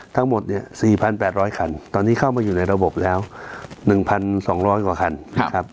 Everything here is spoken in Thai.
ทั้งหมดเนี่ยสี่พันแปดร้อยคันตอนนี้เข้ามาอยู่ในระบบแล้วหนึ่งพันสองร้อยกว่าคันครับ